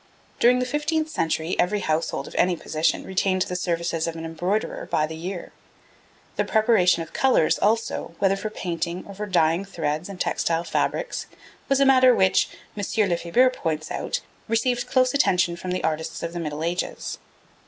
During the fifteenth century every household of any position retained the services of an embroiderer by the year. The preparation of colours also, whether for painting or for dyeing threads and textile fabrics, was a matter which, M. Lefebure points out, received close attention from the artists of the Middle Ages.